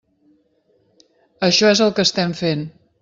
Això és el que estem fent.